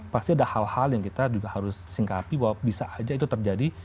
pasti ada hal hal yang kita juga harus singkapi bahwa bisa saja itu terjadi